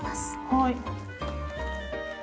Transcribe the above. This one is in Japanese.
はい。